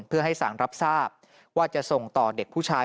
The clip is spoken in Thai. เพื่อให้สารรับทราบว่าจะส่งต่อเด็กผู้ชาย